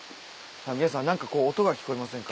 皆さん何か音が聞こえませんか。